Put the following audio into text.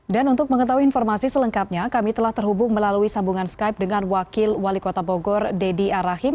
dan untuk mengetahui informasi selengkapnya kami telah terhubung melalui sambungan skype dengan wakil wali kota bogor dedy arahim